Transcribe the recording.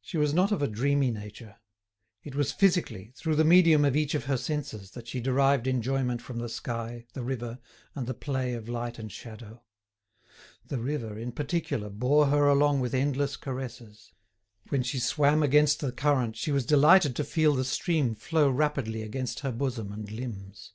She was not of a dreamy nature; it was physically, through the medium of each of her senses, that she derived enjoyment from the sky, the river, and the play of light and shadow. The river, in particular, bore her along with endless caresses. When she swam against the current she was delighted to feel the stream flow rapidly against her bosom and limbs.